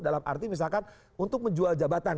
dalam arti misalkan untuk menjual jabatan